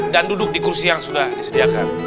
dan duduk di kursi yang sudah disediakan